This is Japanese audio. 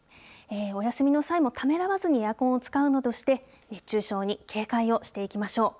お休みの際も、ためらわずにエアコンを使うなどして、熱中症に警戒をしていきましょう。